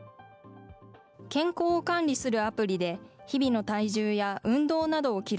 健康を管理するアプリで、日々の体重や運動などを記録。